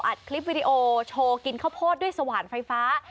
อัดคลิปวิดีโอโชว์กินข้าวโพดด้วยสว่านไฟฟ้า